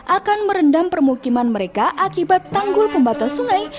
akan merendam permukiman mereka akibat tanggul pembatas sungai